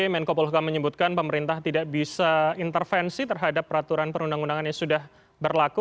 menko polhukam menyebutkan pemerintah tidak bisa intervensi terhadap peraturan perundang undangan yang sudah berlaku